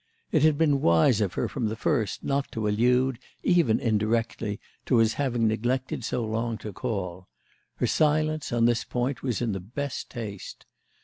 It had been wise of her from the first not to allude, even indirectly, to his having neglected so long to call; her silence on this point was in the best taste.